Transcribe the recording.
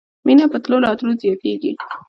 مینه په تلو راتلو زیاتیږي.